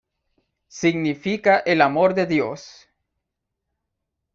Significa "el Amor de Dios!